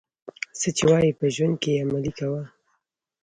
څه چي وايې په ژوند کښي ئې عملي کوه.